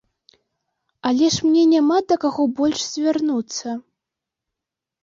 Але ж мне няма да каго больш звярнуцца.